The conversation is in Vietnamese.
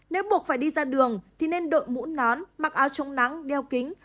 nếu buộc phải đi ra đường nên đội mũ nón mặc áo trống nắng đeo kính